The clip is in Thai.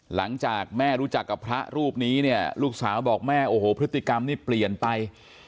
หลังจากแม่รู้จักกับพระรูปนี้เนี่ยลูกสาวบอกแม่โอ้โหพฤติกรรมนี่เปลี่ยนไป